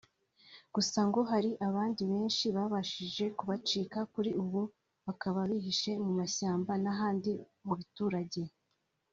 Gusa ngo hari abandi benshi babashije kubacika kuri ubu bakaba bihishe mu mashyamba n’ahandi mu biturage